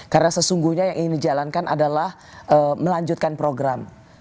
karena sesungguhnya yang ingin dijalankan adalah melanjutkan program